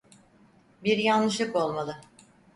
Bir yanlışlık olmalı.